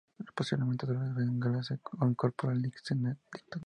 Posteriormente Dolores Bengolea se incorporó al directorio.